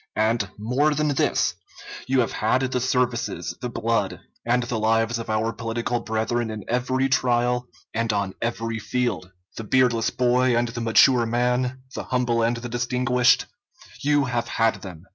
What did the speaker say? And, more than this, you have had the services, the blood, and the lives of our political brethren in every trial, and on every field. The beardless boy and the mature man, the humble and the distinguished, you have had them.